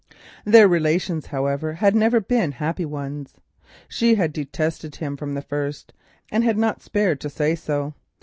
Their relations, however, had never been happy ones. She had detested him from the first, and had not spared to say so.